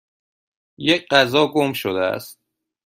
یک غذا گم شده است.